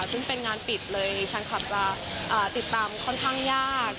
ซึ่งเป็นงานปิดเลยแฟนคลับจะติดตามค่อนข้างยาก